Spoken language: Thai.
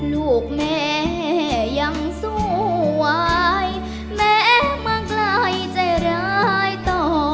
ลูกแม่ยังสวยแม่มาไกลจะร้ายต่อ